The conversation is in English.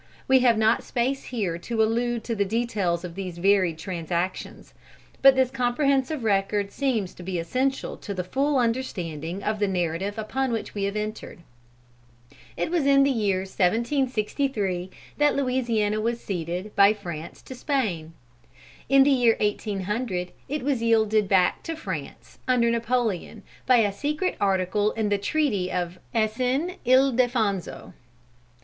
We have not space here to allude to the details of these varied transactions. But this comprehensive record seems to be essential to the full understanding of the narrative upon which we have entered. It was in the year 1763 that Louisiana was ceded, by France, to Spain. In the year 1800, it was yielded back to France, under Napoleon, by a secret article in the treaty of Sn. Ildefonso.